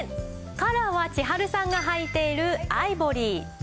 カラーは千春さんがはいているアイボリー。